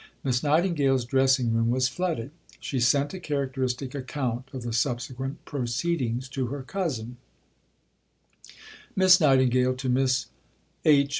Miss Nightingale's dressing room was flooded. She sent a characteristic account of the subsequent proceedings to her cousin: (_Miss Nightingale to Miss H.